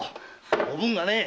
おぶんがねえ。